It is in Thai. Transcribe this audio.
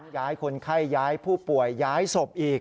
ย้ายคนไข้ย้ายผู้ป่วยย้ายศพอีก